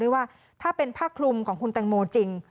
ว่าถ้าเป็นผ้าคลุมของคุณแตงโมจริง